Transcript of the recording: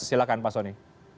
silakan pak soni